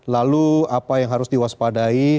lalu apa yang harus diwaspadai